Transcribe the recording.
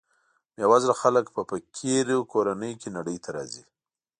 بې وزله خلک په فقیر کورنیو کې نړۍ ته راځي.